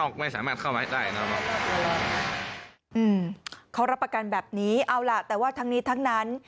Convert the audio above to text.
เขารับประกันแบบนี้เอาล่ะแต่ว่าทั้งนี้ทั้งนั้น